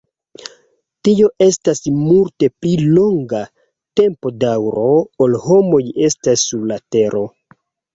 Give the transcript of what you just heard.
Tio estas multe pli longa tempodaŭro, ol homoj estas sur la Tero.